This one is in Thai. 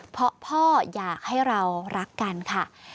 เพราะพ่ออยากให้เรารักกันค่ะ